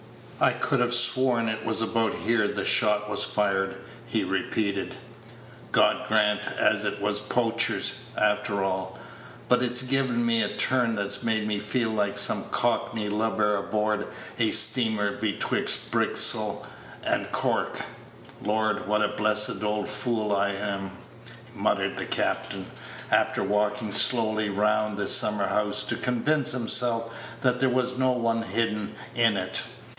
"I could have sworn it was about here the shot was fired," he repeated. "God grant as it was poachers, after all; but it's given me a turn that's made me feel like some Cockney lubber aboard a steamer betwixt Bristol and Cork. Lord, what a blessed old fool I am!" muttered the captain, after walking slowly round the summer house to convince himself that there was no one hidden in it.